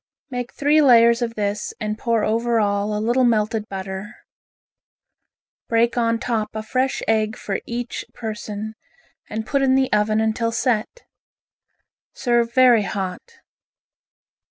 Make three layers of this and pour over all a little melted butter. Break on top a fresh egg for each person, and put in the oven until set. Serve very hot.